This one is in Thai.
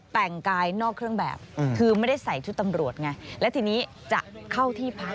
แต่งกายนอกเครื่องแบบคือไม่ได้ใส่ชุดตำรวจไงและทีนี้จะเข้าที่พัก